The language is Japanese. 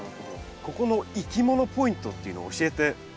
ここのいきものポイントっていうのを教えてもらえますか？